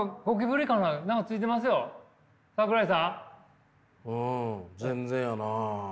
うん全然やな。